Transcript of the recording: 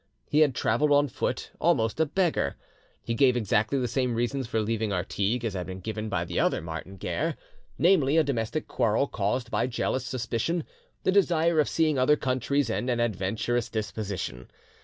He had travelled on foot, almost a beggar. He gave exactly the same reasons for leaving Artigues as had been given by the other Martin Guerre, namely, a domestic quarrel caused by jealous suspicion, the desire of seeing other countries, and an adventurous disposition.